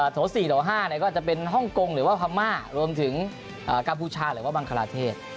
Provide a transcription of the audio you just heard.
โถ๔ต่อ๕ก็จะเป็นฮ่องกงหรือว่าพม่ารวมถึงกัมพูชาหรือว่าบังคลาเทศ